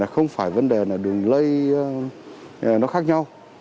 không phải vấn đề là đường lây nó khác nhau